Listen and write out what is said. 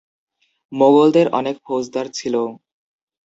মোগলদের অনেক ফৌজদার ছিল।